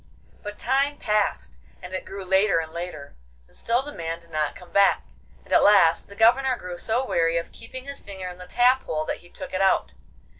But time passed, and it grew later and later, and still the man did not come back, and at last the Governor grew so weary of keeping his finger in the tap hole that he took it out.